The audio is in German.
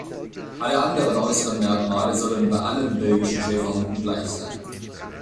Alle anderen äußeren Merkmale sollen bei allen Belgischen Schäferhunden gleich sein.